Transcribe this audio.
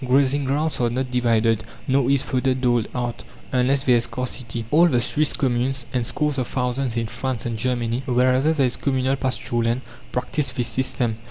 Grazing grounds are not divided, nor is fodder doled out, unless there is scarcity. All the Swiss communes, and scores of thousands in France and Germany, wherever there is communal pasture land, practise this system.